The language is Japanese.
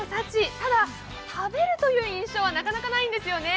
ただ食べるという印象はなかなかないんですよね。